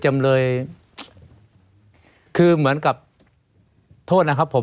ไม่มีครับไม่มีครับ